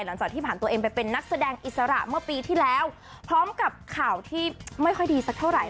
หลังจากที่ผ่านตัวเองไปเป็นนักแสดงอิสระเมื่อปีที่แล้วพร้อมกับข่าวที่ไม่ค่อยดีสักเท่าไหร